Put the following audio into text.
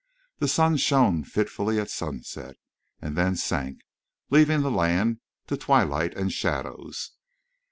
The sun shone fitfully at sunset, and then sank, leaving the land to twilight and shadows.